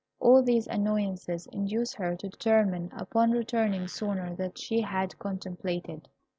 All these annoyances induced her to determine upon returning sooner than she had contemplated.